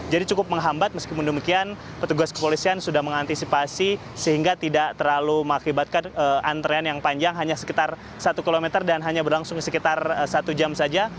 jadi cukup menghambat meskipun demikian petugas kepolisian sudah mengantisipasi sehingga tidak terlalu mengakibatkan antrean yang panjang hanya sekitar satu km dan hanya berlangsung sekitar satu jam saja